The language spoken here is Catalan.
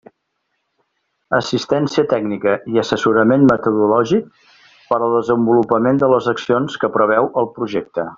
Assistència tècnica i assessorament metodològic per al desenvolupament de les accions que preveu el projecte.